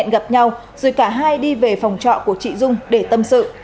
gặp nhau rồi cả hai đi về phòng trọ của chị dung để tâm sự